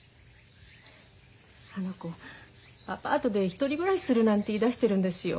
あの子アパートで１人暮らしするなんて言いだしてるんですよ。